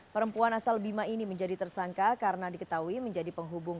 perempuan asal bima ini menjadi tersangka karena diketahui menjadi penghubung